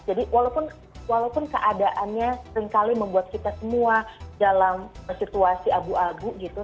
jadi walaupun keadaannya seringkali membuat kita semua dalam situasi abu abu gitu